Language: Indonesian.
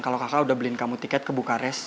kalau kakak udah beliin kamu tiket ke bukares